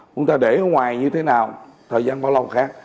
chúng ta để ở ngoài như thế nào thời gian bao lâu khác